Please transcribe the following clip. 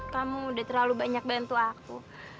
kamu udah terlalu banyak bantu aku